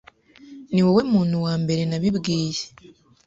Niwowe muntu wa mbere nabibwiye.